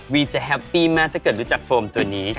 จะแฮปปี้มากถ้าเกิดรู้จักโฟมตัวนี้